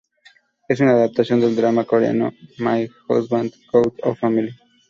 Es una adaptación del drama coreano "My Husband Got a Family".